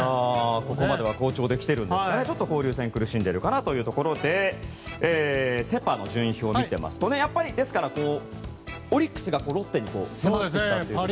ここまでは好調で来てたんですがちょっと交流戦苦しんでいるかなというところでセ・パの順位表を見ていますとやっぱり、オリックスがロッテに迫ってきたということで。